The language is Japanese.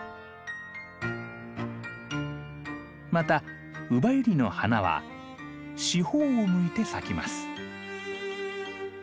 またウバユリの花は四方を向いて咲きます。